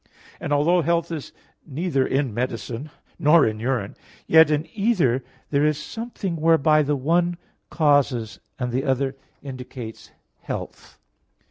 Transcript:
And although health is neither in medicine nor in urine, yet in either there is something whereby the one causes, and the other indicates health.